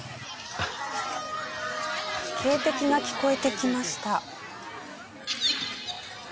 警笛が聞こえてきました。